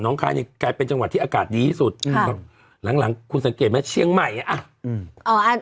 คลายเนี่ยกลายเป็นจังหวัดที่อากาศดีที่สุดอืมครับหลังหลังคุณสังเกตไหมเชียงใหม่อ่ะอืมอ๋ออ่า